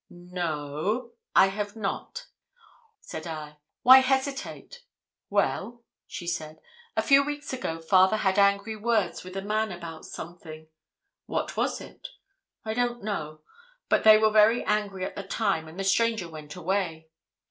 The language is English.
'No o o, I have not.' Said I, 'Why hesitate?' 'Well,' she said, 'a few weeks ago father had angry words with a man about something.' 'What was it?' 'I don't know, but they were very angry at the time, and the stranger went away.